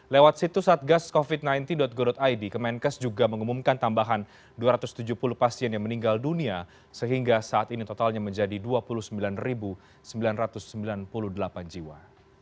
lewat situs satgascovid sembilan belas go id kemenkes juga mengumumkan tambahan dua ratus tujuh puluh pasien yang meninggal dunia sehingga saat ini totalnya menjadi dua puluh sembilan sembilan ratus sembilan puluh delapan jiwa